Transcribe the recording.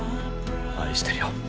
愛してるよ。